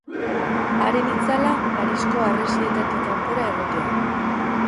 Haren itzala, Parisko harresietatik kanpora egotea.